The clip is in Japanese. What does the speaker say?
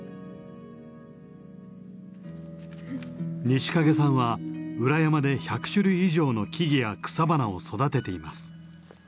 西蔭さんは裏山で１００種類以上の木々や草花を育てています。